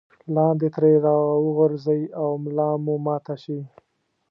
لاندې ترې راوغورځئ او ملا مو ماته شي.